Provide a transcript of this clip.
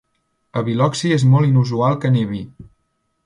A Biloxi és molt inusual que nevi.